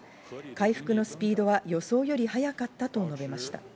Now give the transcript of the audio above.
回復のスピードは予想より早かったと述べました。